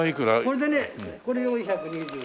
これでねこれ４２０円。